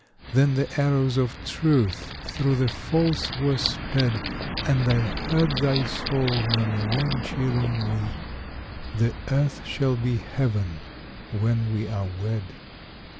Then the arrows of truth through the false were sped, And I heard thy soul murmuring cheeringly, "The earth shall be heaven when we are wed."